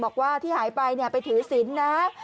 บอกว่าที่หายไปเนี่ยไปถือสินนะ